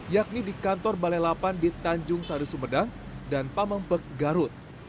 yakni di kantor balai lapan di tanjung sadu sumedang dan pamampek garut